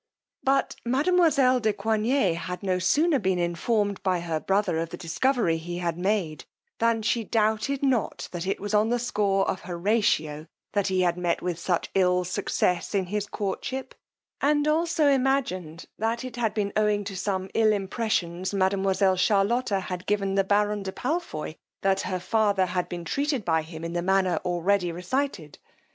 But mademoiselle de Coigney had no sooner been informed by her brother of the discovery he had made, than she doubted not that it was on the score of Horatio that he had met with such ill success in his courtship; and also imagined, that it had been owing to some ill impressions mademoiselle Charlotta had given the baron de Palfoy, that her father had been treated by him in the manner already recited.